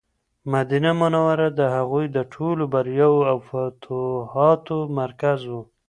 مدینه منوره د هغوی د ټولو بریاوو او فتوحاتو مرکز و.